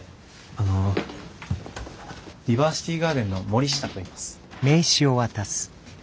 あのディバーシティガーデンの森下といいます。